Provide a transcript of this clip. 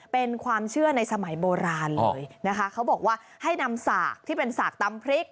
เป็นความเชื่อในสมัยโบราณเลยนะคะเขาบอกว่าให้นำสากที่เป็นสากตำพริก